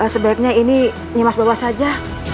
sebaiknya ini nimas bawa saja